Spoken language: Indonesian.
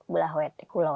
belah kue kulon